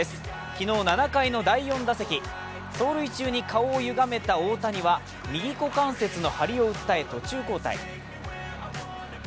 昨日、７回の第４打席走塁中に顔をゆがめた大谷は右股関節の張りを訴え、途中交代。